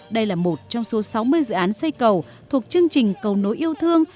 đây là một trong số sáu mươi dự án xây cầu thuộc chương trình cầu nối yêu thương